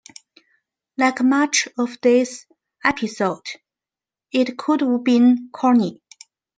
Like much of this episode, it could've been corny.